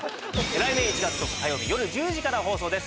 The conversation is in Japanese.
来年１月１０日火曜日夜１０時から放送です